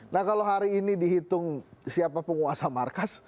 nah kalau hari ini dihitung siapa penguasa markas